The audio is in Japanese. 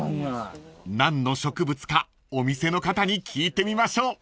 ［何の植物かお店の方に聞いてみましょう］